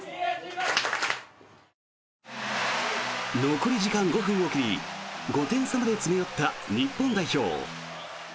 残り時間５分を切り５点差まで詰め寄った日本代表。